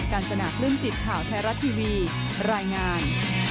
กันจนากลึ่มจิตข่าวแทรร่าทีวีรายงาน